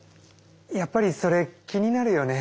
やっぱりそれ気になるよね。